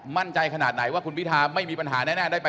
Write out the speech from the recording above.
มั่นใจขนาดไหนว่าคุณปีธาไม่มีปัญหา